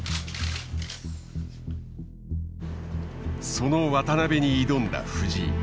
その渡辺に挑んだ藤井。